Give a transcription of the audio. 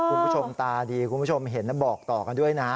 คุณผู้ชมตาดีคุณผู้ชมเห็นแล้วบอกต่อกันด้วยนะ